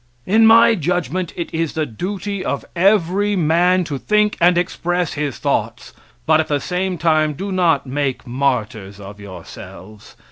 In my judgment, it is the duty of every man to think and express his thoughts; but at the same time do not make martyrs of yourselves.